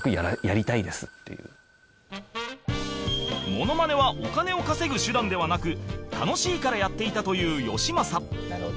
モノマネはお金を稼ぐ手段ではなく楽しいからやっていたというよしまさ